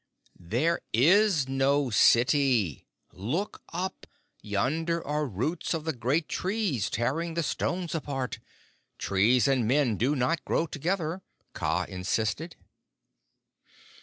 "There is no city. Look up. Yonder are roots of the great trees tearing the stones apart. Trees and men do not grow together," Kaa insisted.